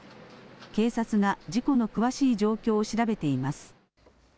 警察が事故の詳しい状況を調べています。